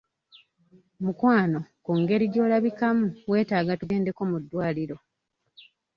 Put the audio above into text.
Mukwano ku ngeri gy'olabikamu weetaaga tugendeko mu ddwaliro.